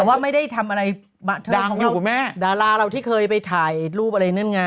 ไม่แต่ไม่ได้ทำอะไรเดรานรกอยู่กว่าแม่ดาราเราที่เคยไปถ่ายรูปอะไรแน่นั่นไง